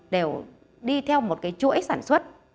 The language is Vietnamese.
đều đi theo một cái chuỗi sản xuất